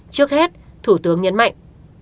trước hết thủ tướng nhấn mạnh